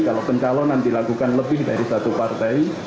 kalau pencalonan dilakukan lebih dari satu partai